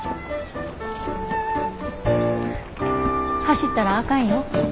走ったらあかんよ。